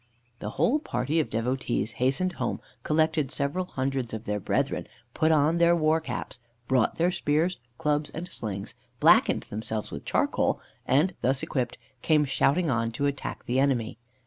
The whole party of devotees hastened home, collected several hundreds of their brethren, put on their war caps, brought their spears, clubs, and slings, blackened themselves with charcoal, and, thus equipped, came shouting on to attack the enemy.